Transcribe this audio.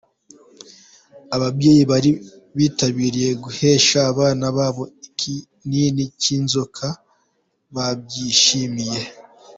Ababyeyi bari bitabiriye guhesha abana babo ikinini cy’inzoka babyishimiye.